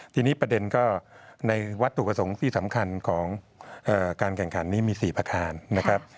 ทีนี้ประเด็นก็ในวัตถุประสงค์ที่สำคัญของการแข่งขันนี้มี๔ประธานนะครับ